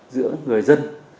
giữa người dân